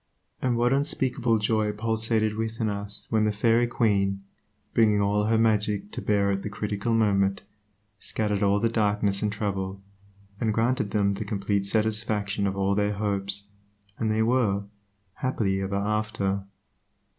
And what unspeakable joy pulsated within us when the Fairy Queen, bringing all her magic to bear at the critical moment, scattered all the darkness and trouble, and granted them the complete satisfaction of all their hopes, and they were "happy ever after."